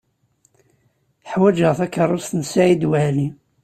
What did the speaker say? Ḥwajeɣ takeṛṛust n Saɛid Waɛli.